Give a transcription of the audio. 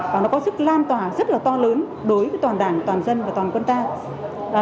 và nó có sức lan tỏa rất là to lớn đối với toàn đảng toàn dân và toàn quân ta